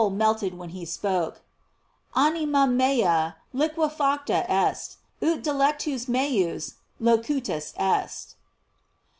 melted when he spoke: "Anima mea liquefacta est, ut dilectus meus locutus est."